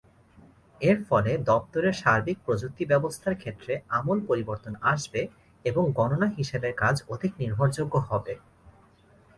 এর ফলে দপ্তরের সার্বিক প্রযুক্তি ব্যবস্থার ক্ষেত্রে আমূল পরিবর্তন আসবে এবং গণনা-হিসাবের কাজ অধিক নির্ভরযোগ্য হবে।